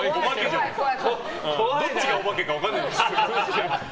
どっちがオバケか分からない。